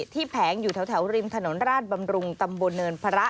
แผงอยู่แถวริมถนนราชบำรุงตำบลเนินพระ